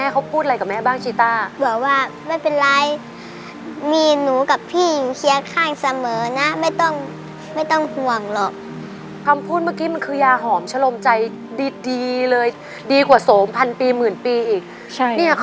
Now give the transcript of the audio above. ประตูห้องเช้ามีรองเท้าสองผู้ที่เรียงฟัง